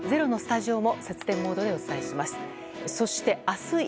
「ｚｅｒｏ」のスタジオも節電モードでお伝えします。